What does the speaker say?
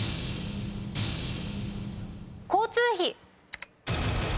交通費。